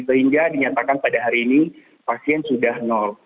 sehingga dinyatakan pada hari ini pasien sudah nol